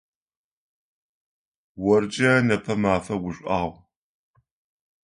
Оркӏэ непэ мэфэ гушӏуагъу.